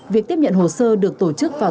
việc tiếp nhận hồ sơ được tổ chức vào